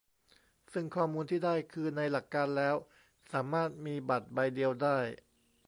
ซึ่งข้อมูลที่ได้คือในหลักการแล้วสามารถมีบัตรใบเดียวได้